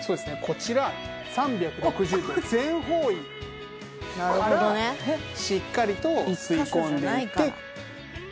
こちら３６０度全方位からしっかりと吸い込んでいって。